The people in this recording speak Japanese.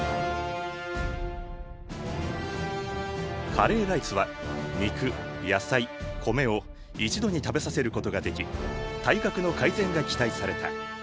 カレーライスは肉野菜米を一度に食べさせることができ体格の改善が期待された。